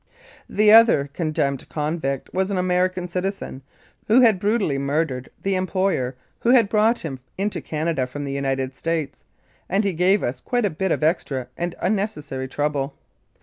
The other condemned convict was an American citizen, who had brutally murdered the employer who had brought 'him into Canada from the United States, and he gave us quite a bit of extra and unnecessary trouble.